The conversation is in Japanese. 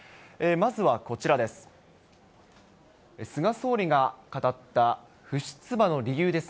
まずはこちらです。